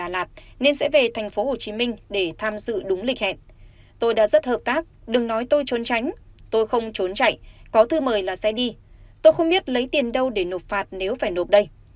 lấy tiền đâu để nộp phạt nếu phải nộp đây